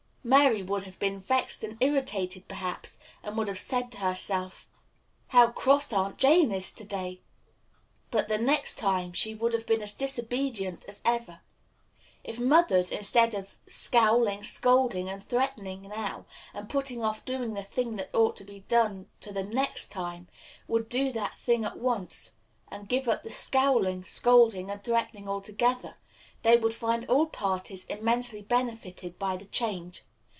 Mary would have been vexed and irritated, perhaps, and would have said to herself, "How cross Aunt Jane is to day!" but the "next time" she would have been as disobedient as ever. If mothers, instead of scowling, scolding, and threatening now, and putting off doing the thing that ought to be done to the "next time," would do that thing at once, and give up the scowling, scolding, and threatening altogether, they would find all parties immensely benefited by the change.